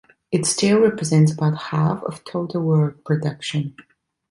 It still represents about half of total world production.